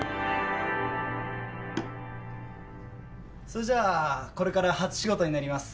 それじゃあこれから初仕事になります。